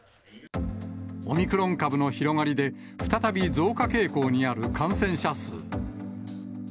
オミクロン株の広がりで、再び増加傾向にある感染者数。